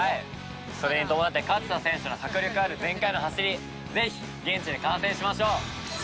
それに伴って勝田選手の迫力ある全開の走りぜひ現地で観戦しましょう。